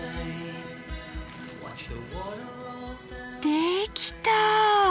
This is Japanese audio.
できた！